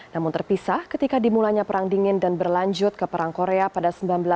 namun terpisah ketika dimulainya perang dingin dan berlanjut ke perang korea pada seribu sembilan ratus delapan puluh